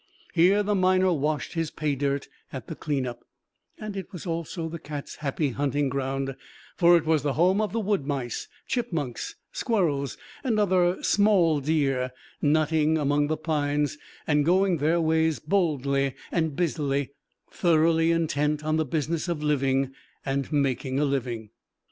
Here the miner washed his "pay dirt" at the "clean up," and it was also the cat's happy hunting ground, for it was the home of the wood mice, chipmunks, squirrels and other "small deer" nutting among the pines and going their ways boldly and busily, thoroughly intent on the business of living and making a living.